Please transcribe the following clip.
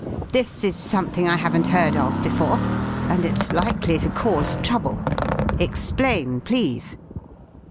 This is something I haven't heard of before, and it's likely to cause trouble. Explain, please!"